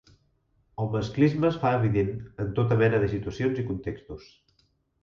El masclisme es fa evident en tota mena de situacions i contextos.